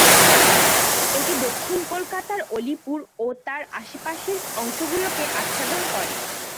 এটি দক্ষিণ কলকাতার আলিপুর ও তার আশপাশের অংশগুলি আচ্ছাদন করে।